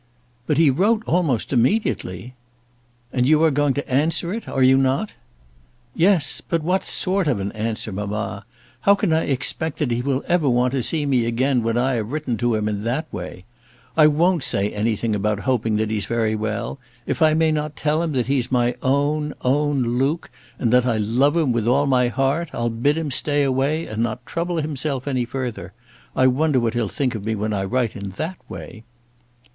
"But he wrote almost immediately." "And you are going to answer it; are you not?" "Yes; but what sort of an answer, mamma? How can I expect that he will ever want to see me again when I have written to him in that way? I won't say anything about hoping that he's very well. If I may not tell him that he's my own, own, own Luke, and that I love him with all my heart, I'll bid him stay away and not trouble himself any further. I wonder what he'll think of me when I write in that way!"